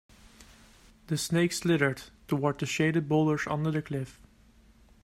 The snake slithered toward the shaded boulders under the cliff.